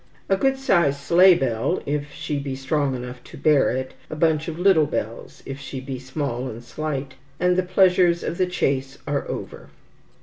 A good sized sleigh bell, if she be strong enough to bear it, a bunch of little bells, if she be small and slight, and the pleasures of the chase are over.